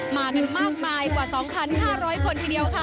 มากันมากมายกว่า๒๕๐๐คนทีเดียวค่ะ